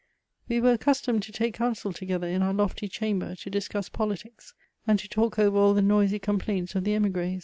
We were accustomed to take counsel tog^her in our l(^y chamber, to discuss politics, and to talk over all the noisy complaints of the hmgrh.